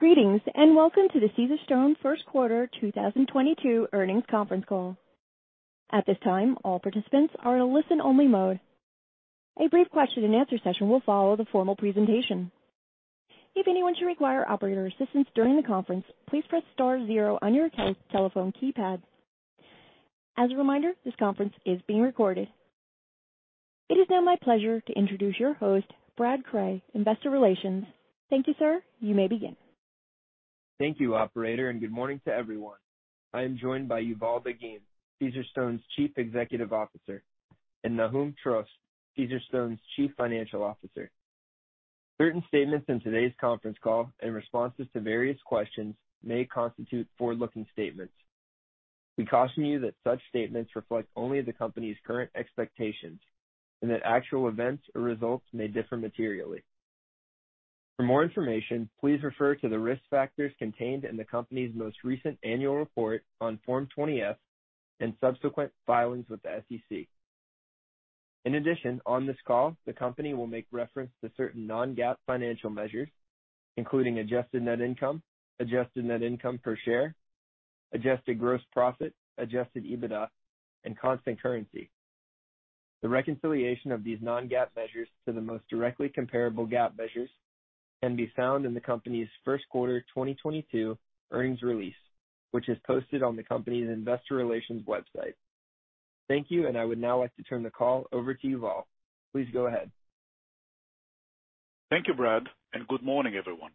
Greetings, and welcome to the Caesarstone First Quarter 2022 Earnings Conference Call. At this time, all participants are in listen-only mode. A brief question and answer session will follow the formal presentation. If anyone should require operator assistance during the conference, please press star zero on your key telephone keypad. As a reminder, this conference is being recorded. It is now my pleasure to introduce your host, Brad Cray, Investor Relations. Thank you, sir. You may begin. Thank you, operator, and good morning to everyone. I am joined by Yuval Dagim, Caesarstone's Chief Executive Officer, and Nahum Trost, Caesarstone's Chief Financial Officer. Certain statements in today's conference call and responses to various questions may constitute forward-looking statements. We caution you that such statements reflect only the company's current expectations and that actual events or results may differ materially. For more information, please refer to the risk factors contained in the company's most recent annual report on Form 20-F and subsequent filings with the SEC. In addition, on this call, the company will make reference to certain non-GAAP financial measures including adjusted net income, adjusted net income per share, adjusted gross profit, adjusted EBITDA and constant currency. The reconciliation of these non-GAAP measures to the most directly comparable GAAP measures can be found in the company's first quarter 2022 earnings release, which is posted on the company's investor relations website. Thank you, and I would now like to turn the call over to Yuval. Please go ahead. Thank you, Brad, and good morning, everyone.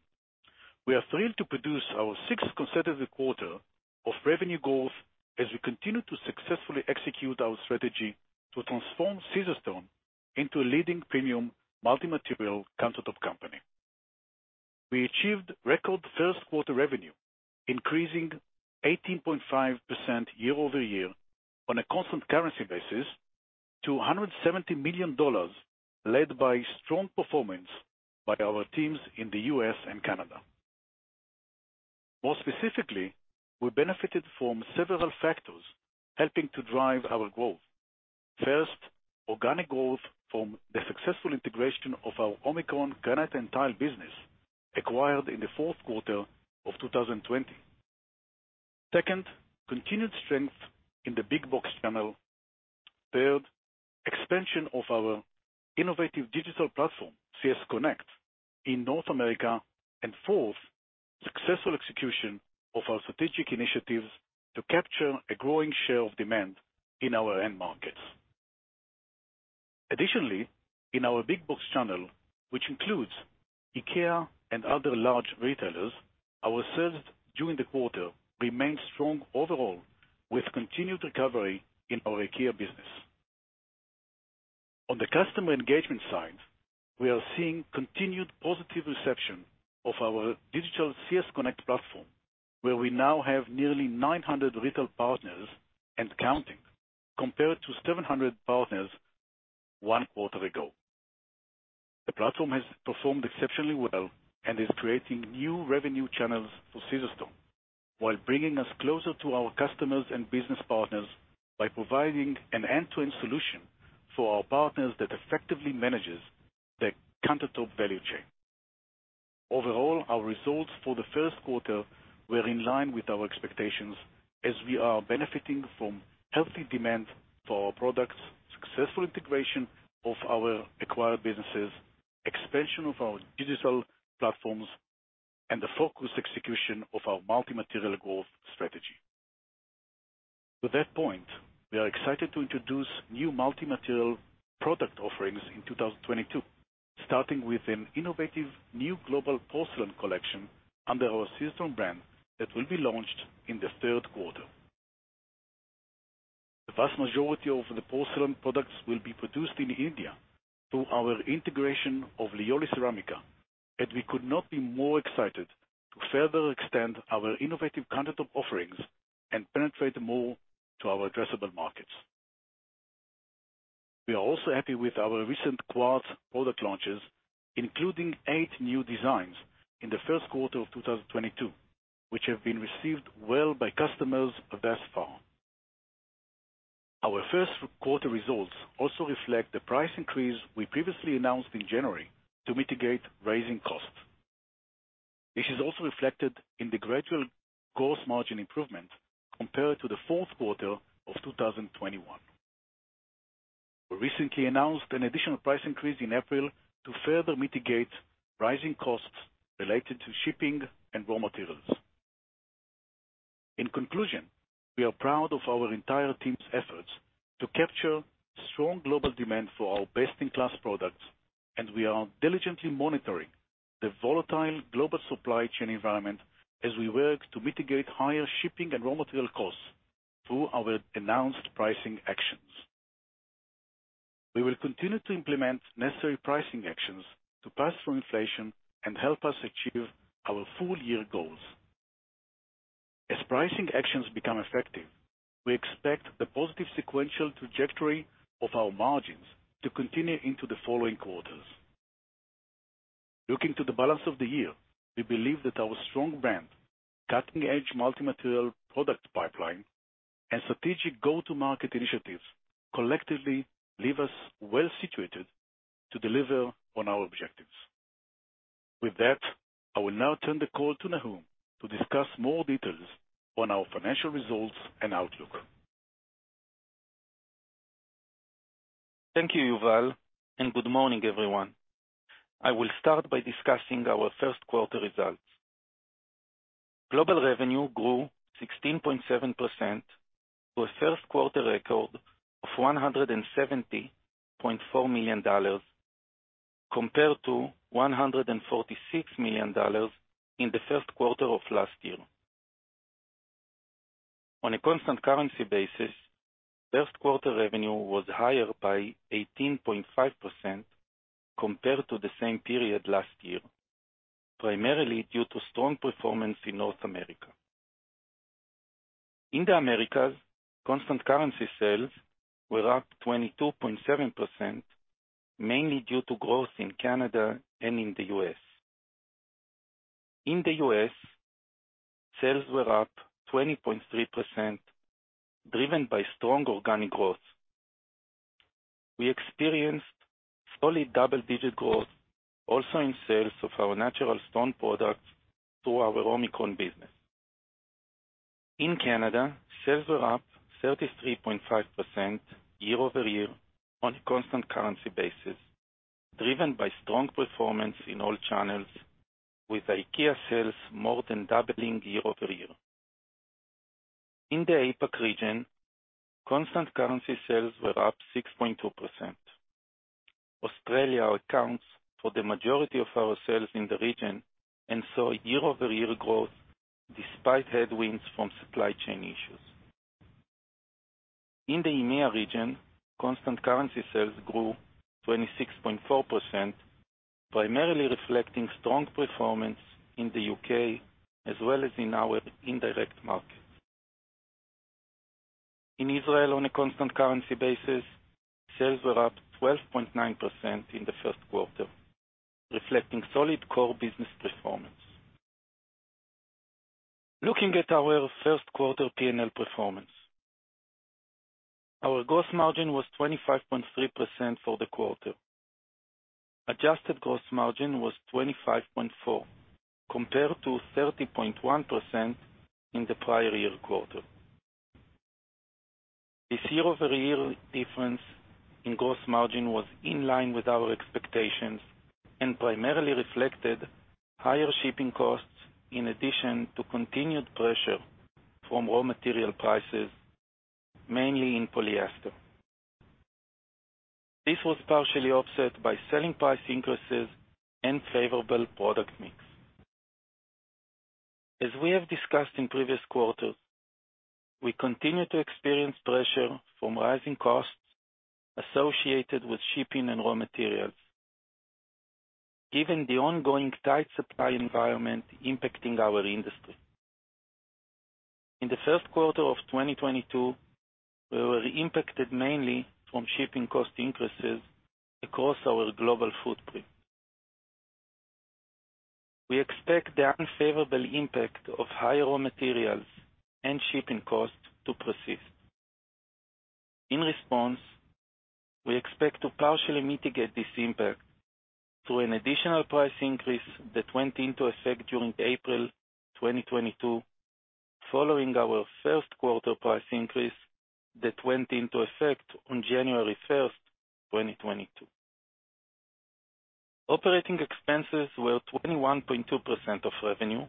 We are thrilled to produce our sixth consecutive quarter of revenue growth as we continue to successfully execute our strategy to transform Caesarstone into a leading premium multi-material countertop company. We achieved record first quarter revenue, increasing 18.5% year-over-year on a constant currency basis to $170 million, led by strong performance by our teams in the U.S. and Canada. More specifically, we benefited from several factors helping to drive our growth. First, organic growth from the successful integration of our Omicron Granite and Tile business acquired in the fourth quarter of 2020. Second, continued strength in the Big Box Channel. Third, expansion of our innovative digital platform, CS Connect, in North America. Fourth, successful execution of our strategic initiatives to capture a growing share of demand in our end markets. Additionally, in our Big Box Channel, which includes IKEA and other large retailers, our sales during the quarter remained strong overall, with continued recovery in our IKEA business. On the customer engagement side, we are seeing continued positive reception of our digital CS Connect platform, where we now have nearly 900 retail partners and counting, compared to 700 partners one quarter ago. The platform has performed exceptionally well and is creating new revenue channels for Caesarstone while bringing us closer to our customers and business partners by providing an end-to-end solution for our partners that effectively manages the countertop value chain. Overall, our results for the first quarter were in line with our expectations as we are benefiting from healthy demand for our products, successful integration of our acquired businesses, expansion of our digital platforms, and the focused execution of our multi-material growth strategy. To that point, we are excited to introduce new multi-material product offerings in 2022, starting with an innovative new global Porcelain Collection under our Caesarstone brand that will be launched in the third quarter. The vast majority of the Porcelain products will be produced in India through our integration of Lioli Ceramica, and we could not be more excited to further extend our innovative countertop offerings and penetrate more to our addressable markets. We are also happy with our recent quartz product launches, including 8 new designs in the first quarter of 2022, which have been received well by customers thus far. Our first quarter results also reflect the price increase we previously announced in January to mitigate rising costs. This is also reflected in the gradual gross margin improvement compared to the fourth quarter of 2021. We recently announced an additional price increase in April to further mitigate rising costs related to shipping and raw materials. In conclusion, we are proud of our entire team's efforts to capture strong global demand for our best-in-class products, and we are diligently monitoring the volatile global supply chain environment as we work to mitigate higher shipping and raw material costs through our announced pricing actions. We will continue to implement necessary pricing actions to pass through inflation and help us achieve our full year goals. As pricing actions become effective, we expect the positive sequential trajectory of our margins to continue into the following quarters. Looking to the balance of the year, we believe that our strong brand, cutting-edge multi-material product pipeline and strategic go-to-market initiatives collectively leave us well-situated to deliver on our objectives. With that, I will now turn the call to Nahum to discuss more details on our financial results and outlook. Thank you, Yuval, and good morning, everyone. I will start by discussing our first quarter results. Global revenue grew 16.7% to a first quarter record of $170.4 million, compared to $146 million in the first quarter of last year. On a constant currency basis, first quarter revenue was higher by 18.5% compared to the same period last year, primarily due to strong performance in North America. In the Americas, constant currency sales were up 22.7%, mainly due to growth in Canada and in the U.S. In the U.S., sales were up 20.3%, driven by strong organic growth. We experienced solid double-digit growth also in sales of our natural stone products through our Omicron business. In Canada, sales were up 33.5% year-over-year on a constant currency basis, driven by strong performance in all channels with IKEA sales more than doubling year-over-year. In the APAC region, constant currency sales were up 6.2%. Australia accounts for the majority of our sales in the region, and saw a year-over-year growth despite headwinds from supply chain issues. In the EMEA region, constant currency sales grew 26.4%, primarily reflecting strong performance in the U.K. as well as in our indirect markets. In Israel on a constant currency basis, sales were up 12.9% in the first quarter, reflecting solid core business performance. Looking at our first quarter P&L performance. Our gross margin was 25.3% for the quarter. Adjusted gross margin was 25.4%, compared to 30.1% in the prior year quarter. This year-over-year difference in gross margin was in line with our expectations, and primarily reflected higher shipping costs in addition to continued pressure from raw material prices, mainly in polyester. This was partially offset by selling price increases and favorable product mix. As we have discussed in previous quarters, we continue to experience pressure from rising costs associated with shipping and raw materials, given the ongoing tight supply environment impacting our industry. In the first quarter of 2022, we were impacted mainly from shipping cost increases across our global footprint. We expect the unfavorable impact of higher raw materials and shipping costs to persist. In response, we expect to partially mitigate this impact through an additional price increase that went into effect during April 2022, following our first quarter price increase that went into effect on January 1st, 2022. Operating expenses were 21.2% of revenue,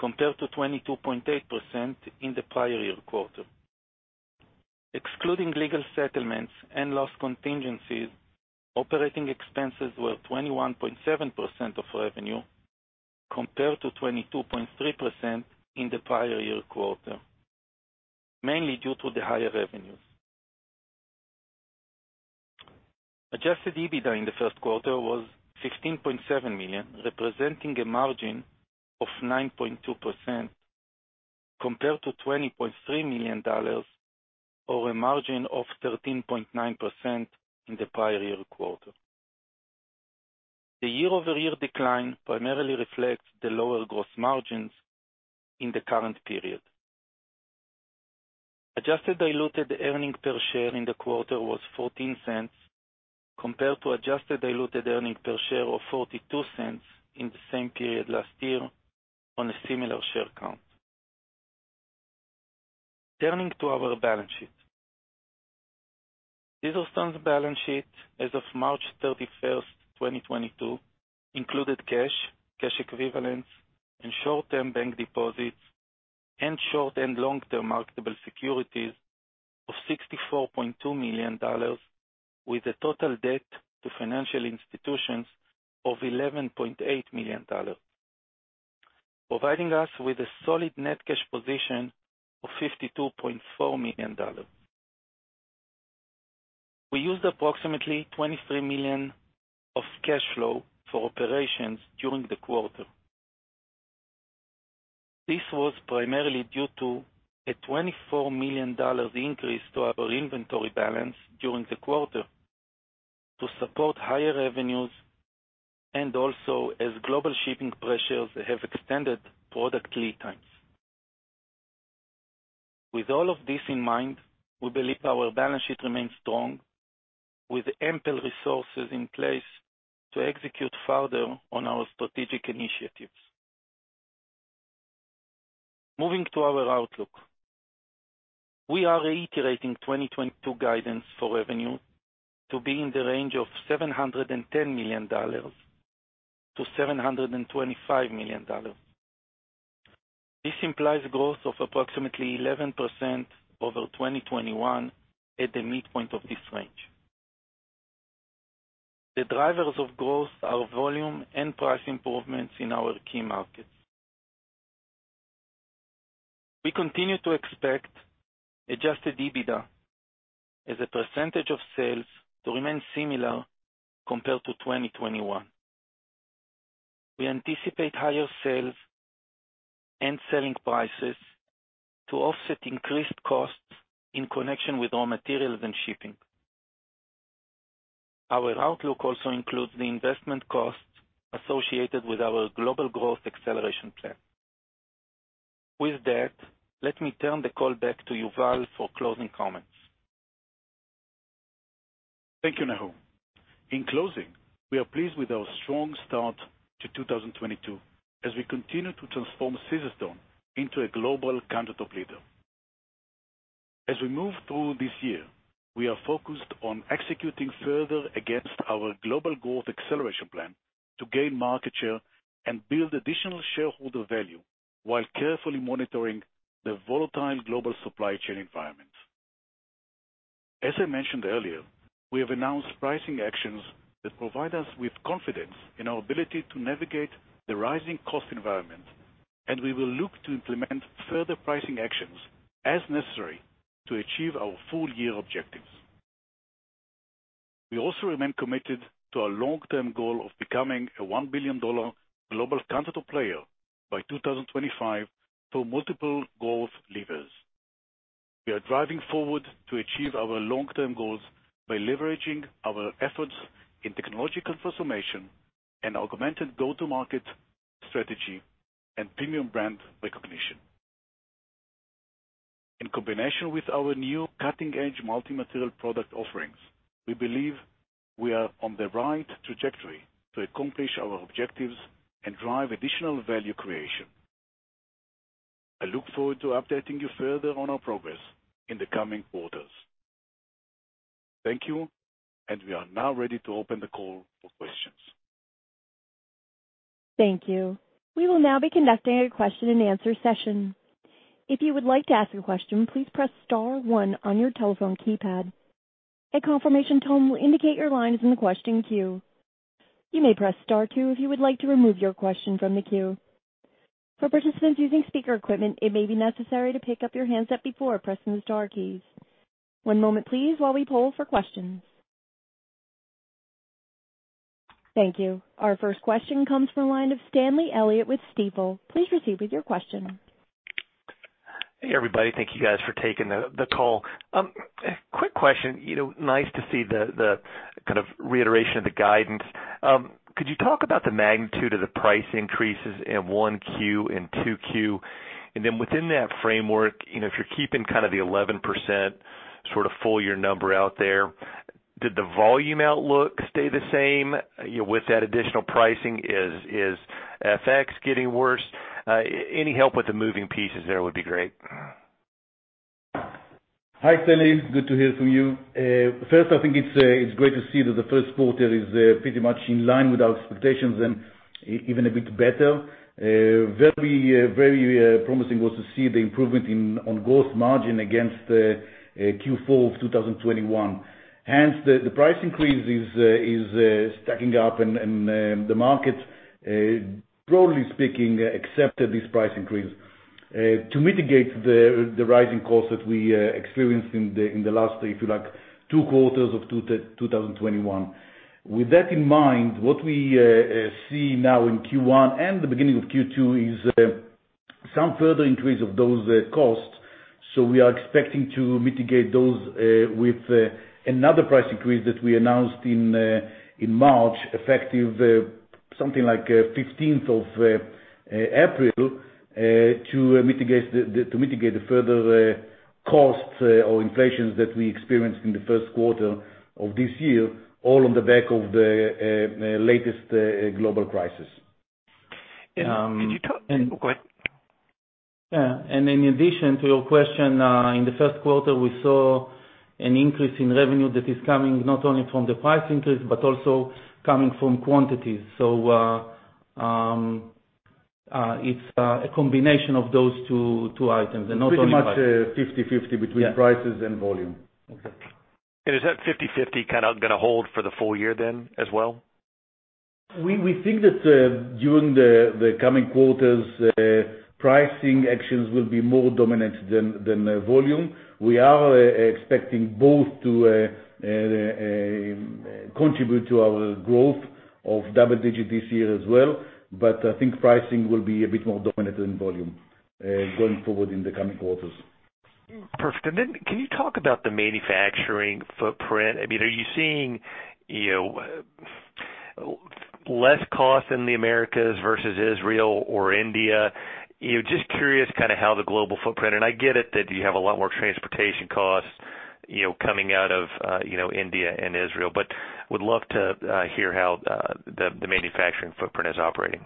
compared to 22.8% in the prior year quarter. Excluding legal settlements and loss contingencies, operating expenses were 21.7% of revenue, compared to 22.3% in the prior year quarter, mainly due to the higher revenues. Adjusted EBITDA in the first quarter was $16.7 million, representing a margin of 9.2%, compared to $20.3 million or a margin of 13.9% in the prior year quarter. The year-over-year decline primarily reflects the lower gross margins in the current period. Adjusted diluted earnings per share in the quarter was $0.14, compared to adjusted diluted earnings per share of $0.42 in the same period last year on a similar share count. Turning to our balance sheet. Caesarstone's balance sheet as of March 31st, 2022, included cash equivalents, and short-term bank deposits, and short and long-term marketable securities of $64.2 million, with a total debt to financial institutions of $11.8 million, providing us with a solid net cash position of $52.4 million. We used approximately $23 million of cash flow for operations during the quarter. This was primarily due to a $24 million increase to our inventory balance during the quarter to support higher revenues and also as global shipping pressures have extended product lead times. With all of this in mind, we believe our balance sheet remains strong, with ample resources in place to execute further on our strategic initiatives. Moving to our outlook. We are reiterating 2022 guidance for revenue to be in the range of $710 million-$725 million. This implies growth of approximately 11% over 2021 at the midpoint of this range. The drivers of growth are volume and price improvements in our key markets. We continue to expect adjusted EBITDA as a percentage of sales to remain similar compared to 2021. We anticipate higher sales and selling prices to offset increased costs in connection with raw materials and shipping. Our outlook also includes the investment costs associated with our global growth acceleration plan. With that, let me turn the call back to Yuval for closing comments. Thank you, Nahum. In closing, we are pleased with our strong start to 2022 as we continue to transform Caesarstone into a global countertop leader. As we move through this year, we are focused on executing further against our global growth acceleration plan to gain market share and build additional shareholder value while carefully monitoring the volatile global supply chain environment. As I mentioned earlier, we have announced pricing actions that provide us with confidence in our ability to navigate the rising cost environment, and we will look to implement further pricing actions as necessary to achieve our full year objectives. We also remain committed to our long-term goal of becoming a $1 billion global countertop player by 2025 through multiple growth levers. We are driving forward to achieve our long-term goals by leveraging our efforts in technological transformation and augmented go-to-market strategy and premium brand recognition. In combination with our new cutting-edge multi-material product offerings, we believe we are on the right trajectory to accomplish our objectives and drive additional value creation. I look forward to updating you further on our progress in the coming quarters. Thank you, and we are now ready to open the call for questions. Thank you. We will now be conducting a question-and-answer session. If you would like to ask a question, please press star one on your telephone keypad. A confirmation tone will indicate your line is in the question queue. You may press star two if you would like to remove your question from the queue. For participants using speaker equipment, it may be necessary to pick up your handset before pressing the star keys. One moment please while we poll for questions. Thank you. Our first question comes from the line of Stanley Elliott with Stifel. Please proceed with your question. Hey, everybody. Thank you guys for taking the call. Quick question. You know, nice to see the kind of reiteration of the guidance. Could you talk about the magnitude of the price increases in 1Q and 2Q? Within that framework, you know, if you're keeping kind of the 11% sort of full year number out there, did the volume outlook stay the same with that additional pricing? Is FX getting worse? Any help with the moving pieces there would be great. Hi, Stanley. Good to hear from you. First, I think it's great to see that the first quarter is pretty much in line with our expectations and even a bit better. Very promising was to see the improvement in gross margin against Q4 of 2021. Hence, the price increase is stacking up and the market, broadly speaking, accepted this price increase to mitigate the rising costs that we experienced in the last, if you like, two quarters of 2021. With that in mind, what we see now in Q1 and the beginning of Q2 is some further increase of those costs. We are expecting to mitigate those with another price increase that we announced in March, effective something like April 15th, to mitigate the further costs or inflation that we experienced in the first quarter of this year, all on the back of the latest global crisis. Go ahead. Yeah. In addition to your question, in the first quarter, we saw an increase in revenue that is coming not only from the price increase but also coming from quantities. It's a combination of those two items and not only price. Pretty much, 50/50 between prices and volume. Okay. Is that 50/50 kind of gonna hold for the full year then as well? We think that during the coming quarters pricing actions will be more dominant than volume. We are expecting both to contribute to our growth of double digits this year as well. I think pricing will be a bit more dominant than volume going forward in the coming quarters. Perfect. Can you talk about the manufacturing footprint? I mean, are you seeing, you know, lower costs in the Americas versus Israel or India. You know, just curious kind of how the global footprint. I get it that you have a lot more transportation costs, you know, coming out of, you know, India and Israel, but would love to hear how the manufacturing footprint is operating.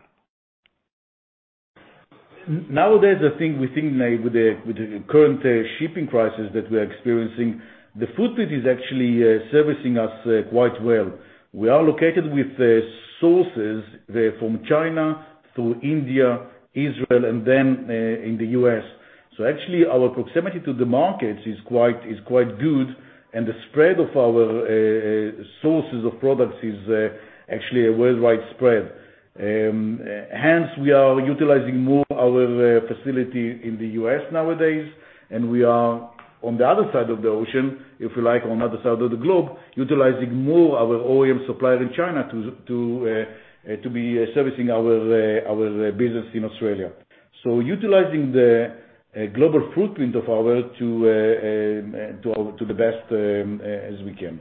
Nowadays, I think we think like with the current shipping crisis that we are experiencing, the footprint is actually servicing us quite well. We are located with sources from China through India, Israel, and then in the U.S.. Actually our proximity to the markets is quite good, and the spread of our sources of products is actually a worldwide spread. Hence, we are utilizing more our facility in the U.S. nowadays, and we are on the other side of the ocean, if you like, on other side of the globe, utilizing more our OEM supplier in China to be servicing our business in Australia. Utilizing the global footprint of ours to the best as we can.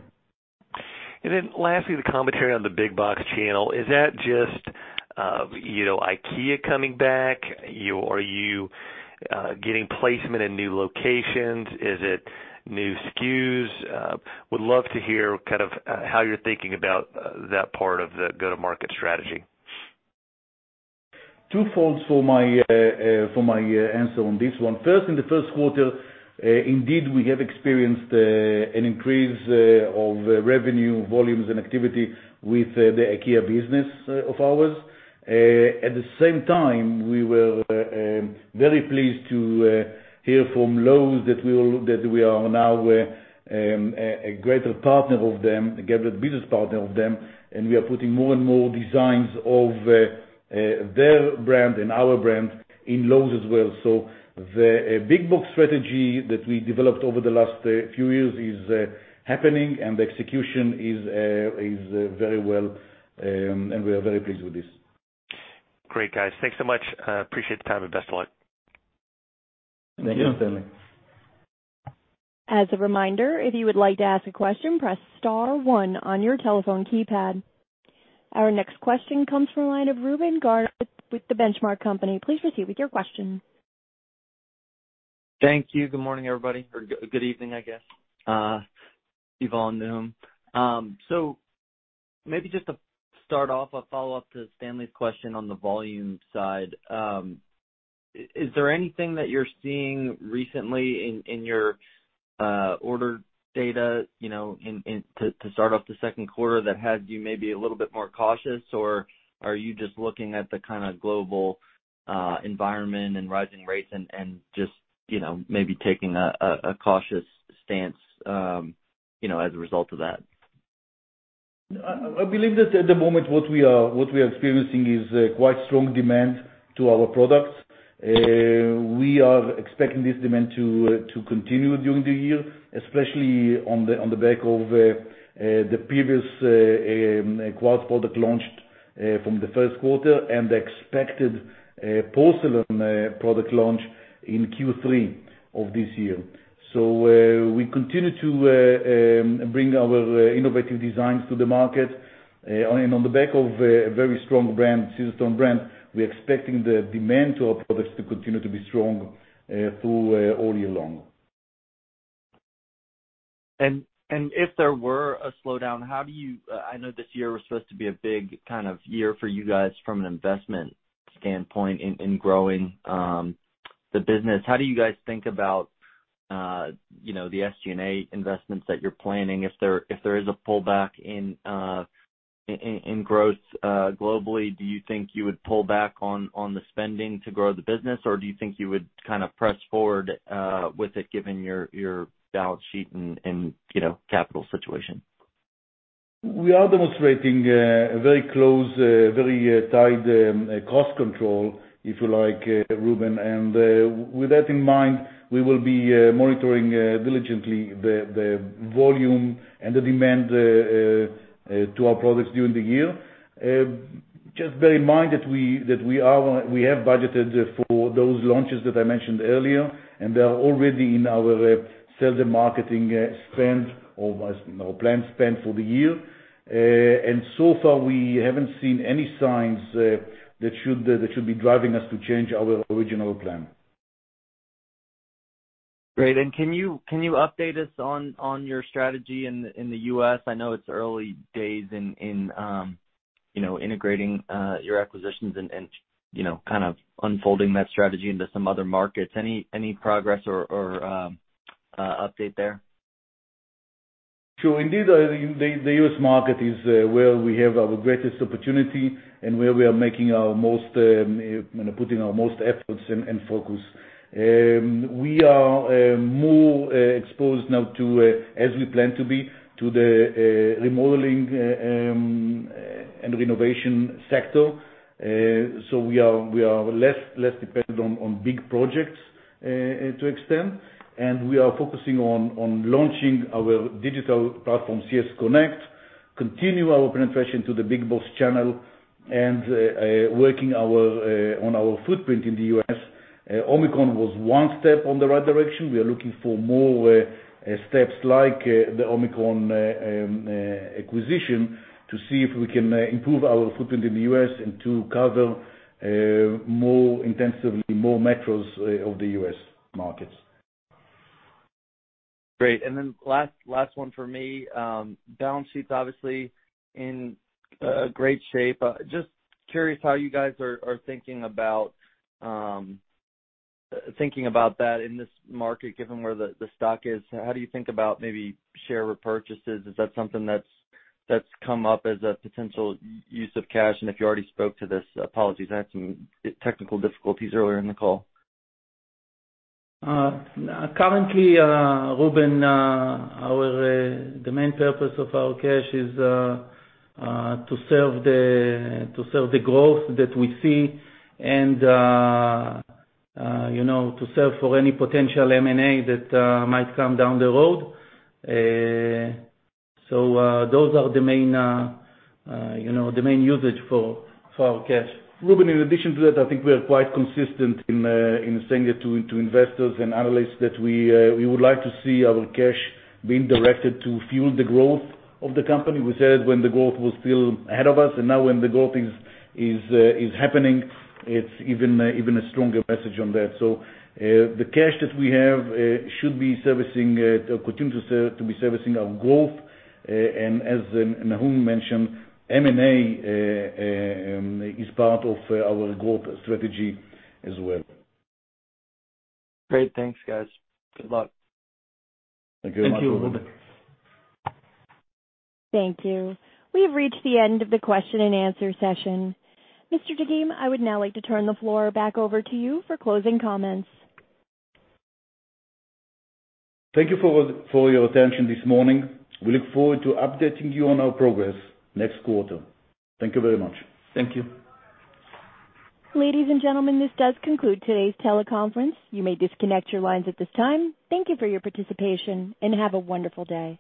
Then lastly, the commentary on the Big Box Channel. Is that just, you know, IKEA coming back? Are you getting placement in new locations? Is it new SKUs? Would love to hear kind of how you're thinking about that part of the go-to-market strategy. Twofold for my answer on this one. First, in the first quarter, indeed, we have experienced an increase of revenue, volumes, and activity with the IKEA business of ours. At the same time, we were very pleased to hear from Lowe's that we are now a greater partner of them, a greater business partner of them, and we are putting more and more designs of their brand and our brand in Lowe's as well. The Big Box strategy that we developed over the last few years is happening, and the execution is very well, and we are very pleased with this. Great, guys. Thanks so much. Appreciate the time and best of luck. Thank you. As a reminder, if you would like to ask a question, press star one on your telephone keypad. Our next question comes from the line of Reuben Garner with The Benchmark Company. Please proceed with your question. Thank you. Good morning, everybody. Or good evening, I guess, Yuval. So maybe just to start off, a follow-up to Stanley's question on the volume side. Is there anything that you're seeing recently in your order data, you know, to start off the second quarter that had you maybe a little bit more cautious, or are you just looking at the kinda global environment and rising rates and just, you know, maybe taking a cautious stance, you know, as a result of that? I believe that at the moment what we are experiencing is quite strong demand to our products. We are expecting this demand to continue during the year, especially on the back of the previous quartz product launch from the first quarter and the expected Porcelain product launch in Q3 of this year. We continue to bring our innovative designs to the market, and on the back of a very strong brand, Caesarstone brand, we're expecting the demand to our products to continue to be strong through all year long. If there were a slowdown, how do you, I know this year was supposed to be a big kind of year for you guys from an investment standpoint in growing the business. How do you guys think about, you know, the SG&A investments that you're planning? If there is a pullback in growth globally, do you think you would pull back on the spending to grow the business, or do you think you would kind of press forward with it, given your balance sheet and, you know, capital situation? We are demonstrating a very close, very tight cost control, if you like, Reuben. With that in mind, we will be monitoring diligently the volume and the demand to our products during the year. Just bear in mind that we have budgeted for those launches that I mentioned earlier, and they are already in our sales and marketing spend, or, you know, planned spend for the year. So far, we haven't seen any signs that should be driving us to change our original plan. Great. Can you update us on your strategy in the U.S.? I know it's early days in you know, integrating your acquisitions and you know, kind of unfolding that strategy into some other markets. Any progress or update there? Indeed, the U.S. market is where we have our greatest opportunity and where we are making our most, you know, putting our most efforts and focus. We are more exposed now to, as we plan to be, to the remodeling and renovation sector. We are less dependent on big projects to an extent, and we are focusing on launching our digital platform, CS Connect, continue our penetration to the Big Box Channel. Working on our footprint in the U.S., Omicron was one step in the right direction. We are looking for more steps like the Omicron acquisition to see if we can improve our footprint in the U.S. and to cover more intensively more metros of the U.S. markets. Great. Then last one for me. Balance sheet's obviously in great shape. Just curious how you guys are thinking about that in this market, given where the stock is. How do you think about maybe share repurchases? Is that something that's come up as a potential use of cash? If you already spoke to this, apologies, I had some technical difficulties earlier in the call. Currently, Reuben, the main purpose of our cash is to serve the growth that we see and, you know, to serve for any potential M&A that might come down the road. Those are, you know, the main usage for our cash. Reuben, in addition to that, I think we are quite consistent in saying it to investors and analysts that we would like to see our cash being directed to fuel the growth of the company. We said when the growth was still ahead of us, and now when the growth is happening, it's even a stronger message on that. The cash that we have should continue to be servicing our growth. As Nahum mentioned, M&A is part of our growth strategy as well. Great. Thanks, guys. Good luck. Thank you. Thank you, Reuben. Thank you. We have reached the end of the question and answer session. Mr. Dagim, I would now like to turn the floor back over to you for closing comments. Thank you for your attention this morning. We look forward to updating you on our progress next quarter. Thank you very much. Thank you. Ladies and gentlemen, this does conclude today's teleconference. You may disconnect your lines at this time. Thank you for your participation, and have a wonderful day.